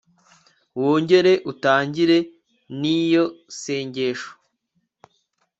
wongere utangire n iyo sengesho